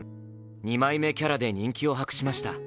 ２枚目キャラで人気を博しました。